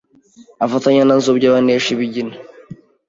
afatanya na Nzobya banesha ibigina.